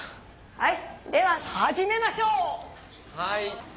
はい。